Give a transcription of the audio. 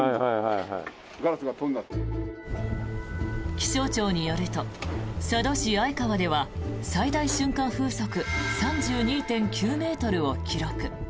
気象庁によると佐渡市相川では最大瞬間風速３２．９ｍを記録。